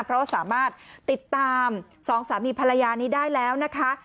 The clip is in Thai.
เพราะว่าสามารถติดตามสองสามีภรรยานี้ได้แล้วนะคะ